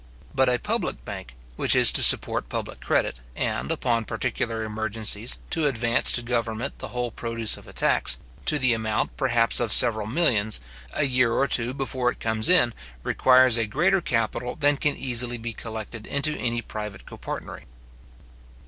But a public bank, which is to support public credit, and, upon particular emergencies, to advance to government the whole produce of a tax, to the amount, perhaps, of several millions, a year or two before it comes in, requires a greater capital than can easily be collected into any private copartnery.